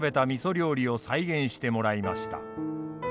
料理を再現してもらいました。